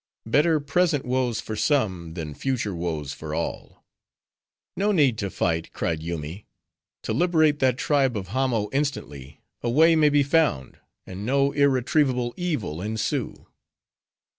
Better present woes for some, than future woes for all." "No need to fight," cried Yoomy, "to liberate that tribe of Hamo instantly; a way may be found, and no irretrievable evil ensue."